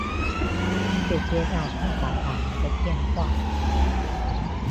却接到爸爸打来的电话